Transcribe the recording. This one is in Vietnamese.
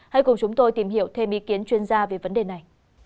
hãy cùng chúng tôi tìm hiểu thêm ý kiến chuyên gia về vấn đề này